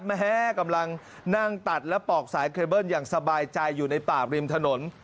มะแฮะกำลังนั่งตัดแล้วปอกสายเคเบิลโทรศัพท์อย่างสบายใจอยู่ในปากริมถนน